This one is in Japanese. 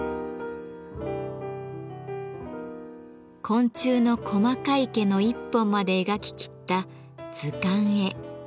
昆虫の細かい毛の一本まで描ききった図鑑絵。